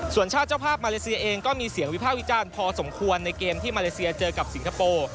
ส่วนชาติเจ้าภาพมาเลเซียเองก็มีเสียงวิภาควิจารณ์พอสมควรในเกมที่มาเลเซียเจอกับสิงคโปร์